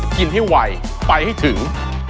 กินให้ไวไปให้ถึง